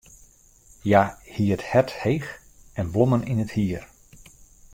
Hja hie it hert heech en blommen yn it hier.